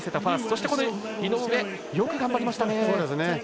そして井上、よく頑張りましたね。